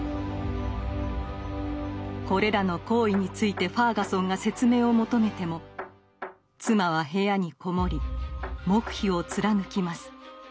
これらの行為についてファーガソンが説明を求めても妻は部屋に籠もり黙秘を貫きます。